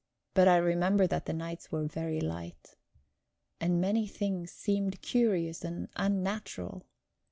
But I remember that the nights were very light. And many things seemed curious and unnatural.